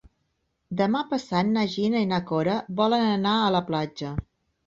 Demà passat na Gina i na Cora volen anar a la platja.